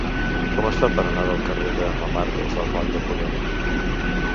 Com es fa per anar del carrer de n'Amargós al moll de Ponent?